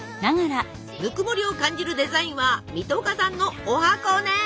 ぬくもりを感じるデザインは水戸岡さんのおはこね！